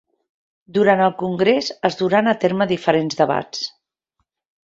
Durant el congrés es duran a terme diferents debats.